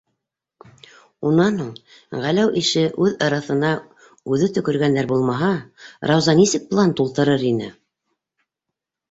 Унан һуң, Ғәләү ише үҙ ырыҫына үҙе төкөргәндәр булмаһа, Рауза нисек план тултырыр ине?